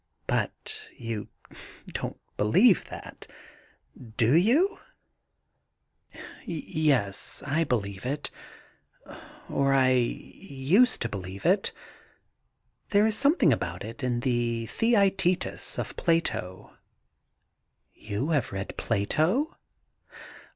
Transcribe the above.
'But you don't believe that, do you ?* 'Yes, I believe it— or I used to believe it. There is something about it in the Theastetus of Plato.' ' You have read Plato